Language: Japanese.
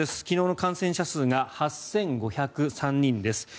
昨日の感染者数が８５０３人です。